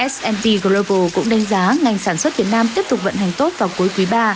sm global cũng đánh giá ngành sản xuất việt nam tiếp tục vận hành tốt vào cuối quý ba